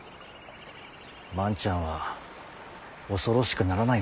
万ちゃんは恐ろしくならないのかね？